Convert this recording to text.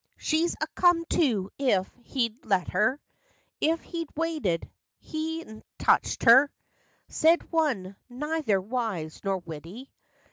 "She'd a come to if he'd let her; If he'd waited; hadn't touched her." Said one, neither wise nor witty.